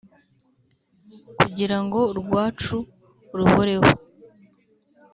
Kugira ngo urwacu ruhoreho